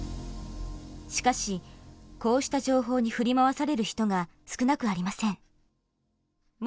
しかしこうした情報に振り回される人が少なくありません。